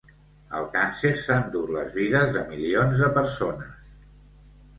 El càncer s'ha endut les vides de milions de persones.